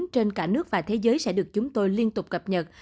trên cả nước và thế giới sẽ được chúng tôi liên tục cập nhật